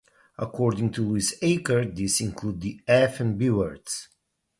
According to Luis Acre these include "the f- and b-words".